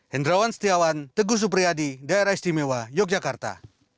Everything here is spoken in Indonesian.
hendrawan setiawan teguh supriyadi daerah istimewa yogyakarta